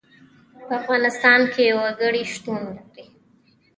په افغانستان کې وګړي شتون لري.